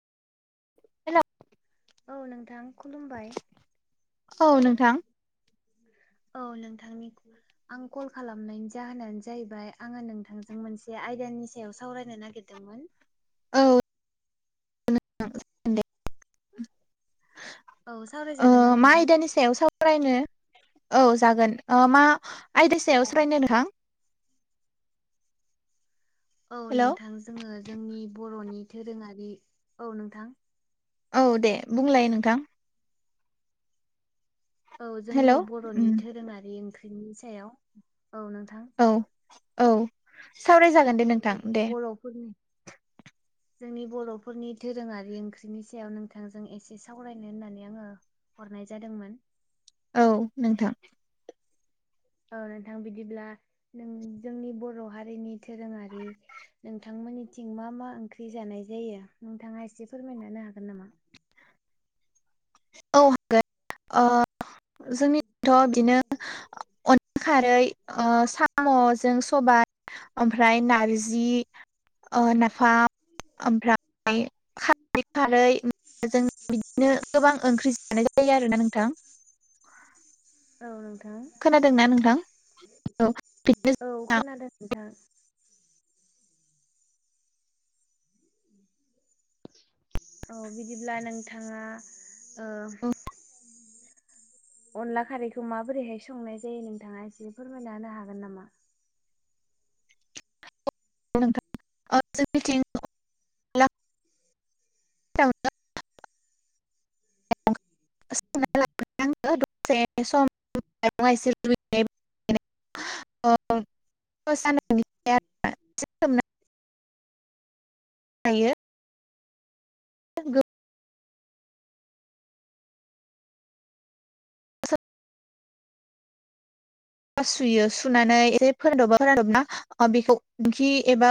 हेल' औ नोंथां खुलुमबाय औ नोंथां औ नोंथांनि आं कल खालामनायनि जाहोनानो जाहैबाय आङो नोंथांजों मोनसे आयदानि सायाव सावरायनो नागिरदों तामान औ औ सावरायजागोन ना मा नोंथां? आयदानि सायाव सरायनो औ जागोन मा आयदा सायाव सरायनो नोंथां औ हेल' नोंथां जोङो जोंनि बर'नि दोरोङारि औ नोंथां औ दे बुंलाय नोंथां औ जोंनि हेल' उम बर'नि धोरोमारि ओंख्रिनि सायाव औ नोंथां औ औ सावरायजागोन दे नोंथां दे गनि जोंनि बर'फोरनि दधोरोङारि ओंख्रिनि सायाव नोंथांजों एसे सावरायनो होननानै आङो हरनाय जादोंमोन औ नोंथां औ नोंथां बिदिब्ला नों जोंनि बर' हारिनि दोरोङारि नोंथांमोननिथिं मा मा ओंख्रि जानाय जायो नोंथाङा एसे फोरमायानो हागोन नामा औ हागोन जोंनिथ' बिदिनो खारै साम'जों सबायाइ ओमफ्राय नारजि नफाम ओमफ्राय खारै खारै जों बिदिनो गोबां ओंख्रि जानाय जायो आरो ना नोंथां औ नोंथां खोनादोंना नोंथां औ औ बिदिनो खोनादों नोंथां औ बिदिब्ला नोंथाङा जोंना अनला खारैखौ माबोरैहाय संनाय जायो नोंथाङा एसे फोरमायना होनो हागोन नामा नोंथां मिथिं उ आं दसे समसे लुबैनाय अ सान लायो सुयो सुनानै ए फोरदबा फोरानदबनाा बेखौखि एबा